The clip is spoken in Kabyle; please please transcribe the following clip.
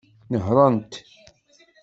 Nehṛent.